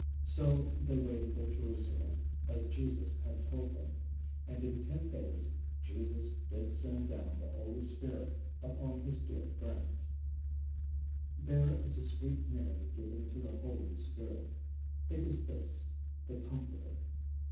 So they waited at Jerusalem as Jesus had told them, and in ten days Jesus did send down the Holy Spirit upon his dear friends. There is a sweet name given to the Holy Spirit; it is this, the Comforter.